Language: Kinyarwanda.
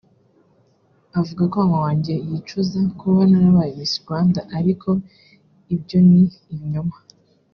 Avuga ko mama wanjye yicuza kuba narabaye Miss Rwanda ariko ibyo ni ibinyoma